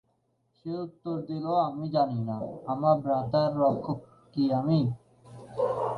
সে উত্তর দিল, আমি জানি না; আমার ভ্রাতার রক্ষক কি আমি?